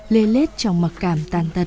lê lết trong mặc cảm tàn tật